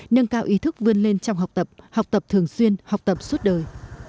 nâng cao ý thức vươn lên trong học tập học tập thường xuyên học tập suốt đời